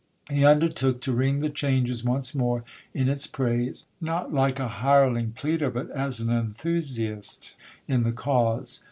He undertook to ring the changes once more in its praise, not like a hireling pleader, but as an enthusiast in the cause.